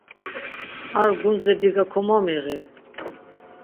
Ar gundze biga komomiği.